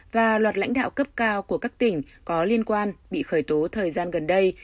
và loạt lãnh đạo cấp cao của các tỉnh có liên quan bị khởi tố thời gian gần đây